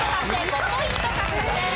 ５ポイント獲得です。